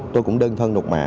tôi cũng đơn thân đột mã